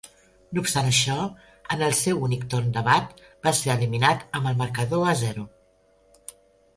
No obstant això, en el seu únic torn de bat va ser eliminat amb el marcador a zero.